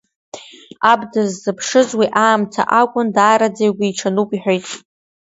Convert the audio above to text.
Аб дыззыԥшыз уи аамҭа акәын, даараӡа игәиҽануп, — иҳәеит.